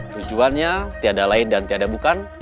tujuannya tiada lain dan tiada bukan